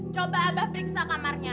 coba abah periksa kamarnya